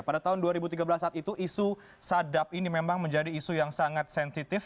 pada tahun dua ribu tiga belas saat itu isu sadap ini memang menjadi isu yang sangat sensitif